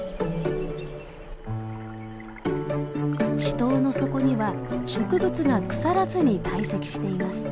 池塘の底には植物が腐らずに堆積しています。